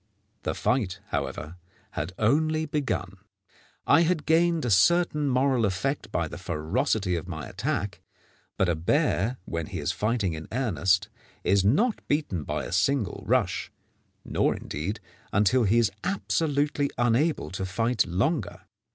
The fight, however, had only begun. I had gained a certain moral effect by the ferocity of my attack, but a bear, when he is fighting in earnest, is not beaten by a single rush, nor, indeed, until he is absolutely unable to fight longer.